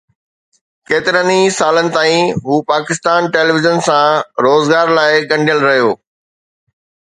ڪيترن سالن تائين هو پاڪستان ٽيليويزن سان روزگار لاءِ ڳنڍيل رهيو